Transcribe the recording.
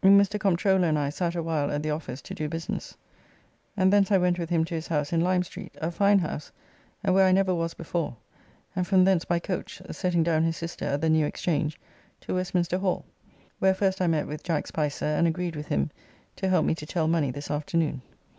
Mr. Comptroller and I sat a while at the office to do business, and thence I went with him to his house in Lime Street, a fine house, and where I never was before, and from thence by coach (setting down his sister at the new Exchange) to Westminster Hall, where first I met with Jack Spicer and agreed with him to help me to tell money this afternoon.